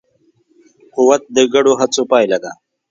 قوت د ګډو هڅو پایله ده.